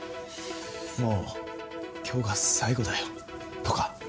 「もう今日が最後だよ」とか？